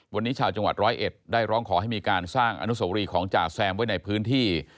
วันนี้ชาวจังหวัดร้อยเอ็ดได้ร้องขอให้มีการสร้างอนุโสรีของจ่าแซมไว้ในพื้นที่